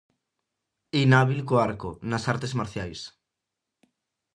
Inhábil co arco, nas artes marciais.